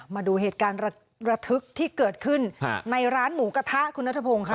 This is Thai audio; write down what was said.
มาดูเหตุการณ์ระทึกที่เกิดขึ้นในร้านหมูกระทะคุณนัทพงศ์ค่ะ